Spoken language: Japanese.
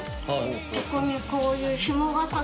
ここにこういう店主）